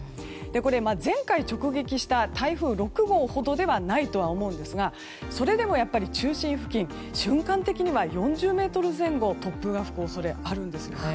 前回、直撃した台風６号ほどではないと思うんですがそれでもやっぱり中心付近瞬間的には４０メートル前後、突風が吹く恐れがあるんですよね。